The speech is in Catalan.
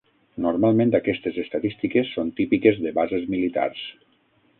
Normalment aquestes estadístiques són típiques de bases militars.